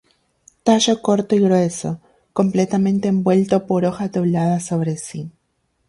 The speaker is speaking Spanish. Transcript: Tallo corto y grueso, completamente envuelto por hojas dobladas sobre sí.